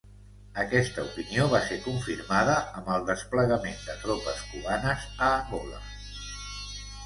Aquesta opinió va ser confirmada amb el desplegament de tropes cubanes a Angola.